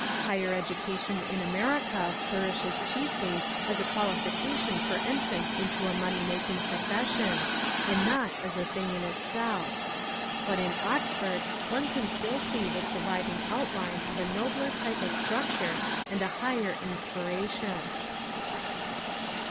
Higher education in America flourishes chiefly as a qualification for entrance into a money making profession, and not as a thing in itself. But in Oxford one can still see the surviving outline of a nobler type of structure and a higher inspiration.